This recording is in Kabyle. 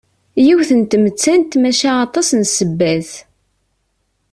Yiwet n tmettant maca aṭas n ssebbat.